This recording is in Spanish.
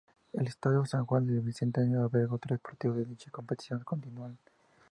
El Estadio San Juan del Bicentenario albergó tres partidos de dicha competición continental.